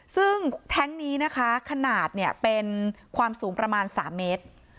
ซึ่งแท้งนี้นะคะขนาดเนี่ยเป็นความสูงประมาณ๓เมตร